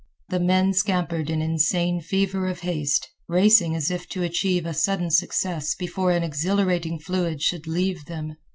The men scampered in insane fever of haste, racing as if to achieve a sudden success before an exhilarating fluid should leave them.